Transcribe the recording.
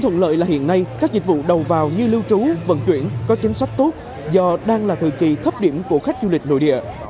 hiện nay các dịch vụ đầu vào như lưu trú vận chuyển có chính sách tốt do đang là thời kỳ thấp điểm của khách du lịch nội địa